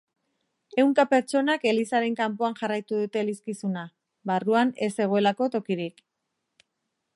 Ehunka pertsonak elizaren kanpoan jarraitu dute elizkizuna, barruan ez zegoelako tokirik.